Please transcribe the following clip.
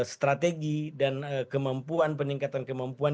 strategi dan kemampuan peningkatan kemampuan